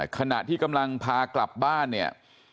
ขณะที่กำลังพากลับบ้านเนี่ย